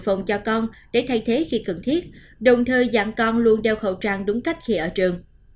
phụ huynh nên chuẩn bị khẩu trang cho con để thay thế khi cần thiết đồng thời dặn con luôn đeo khẩu trang đúng cách khi ở trường